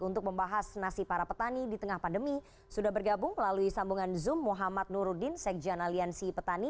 untuk membahas nasib para petani di tengah pandemi sudah bergabung melalui sambungan zoom muhammad nurudin sekjen aliansi petani